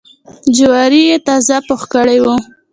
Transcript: جواري یې تازه پوخ کړی و.